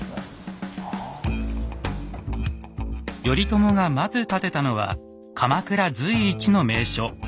頼朝がまず建てたのは鎌倉随一の名所